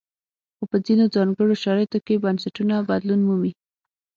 خو په ځینو ځانګړو شرایطو کې بنسټونه بدلون مومي.